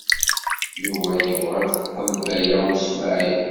Yuba yebɣa ad d-teqqel Baya U Smaɛil.